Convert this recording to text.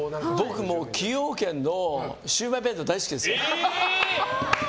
僕、崎陽軒のシウマイ弁当大好きですよ。